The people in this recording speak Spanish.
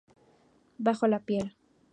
Bajo la piel.